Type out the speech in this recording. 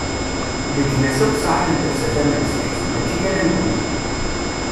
Leǧnas akk sɛan llebsa tamensayt, mačči ala nekni.